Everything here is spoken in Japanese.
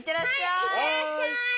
はい行ってらっしゃい！